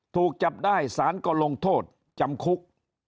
ถูกจับได้สารก็ลงโทษจำคุก